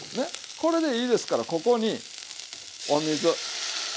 これでいいですからここにお水。